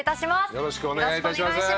よろしくお願いします。